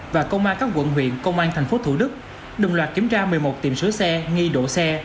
và công an các quận huyện công an tp thủ đức đồng loạt kiểm tra một mươi một tiệm sửa xe nghi đổ xe